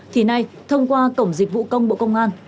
thì nay thông qua cổng dịch vụ công bộ công an